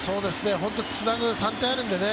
本当、つなぐ３点あるんでね